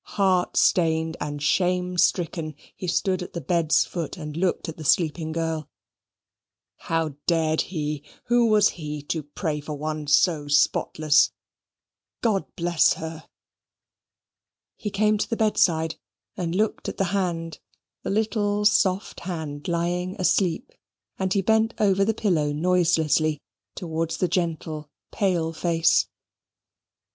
Heart stained, and shame stricken, he stood at the bed's foot, and looked at the sleeping girl. How dared he who was he, to pray for one so spotless! God bless her! God bless her! He came to the bedside, and looked at the hand, the little soft hand, lying asleep; and he bent over the pillow noiselessly towards the gentle pale face.